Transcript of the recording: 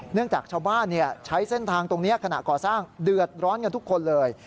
จากชาวบ้านใช้เส้นทางตรงนี้ขณะก่อสร้างเดือดร้อนกันทุกคนเลย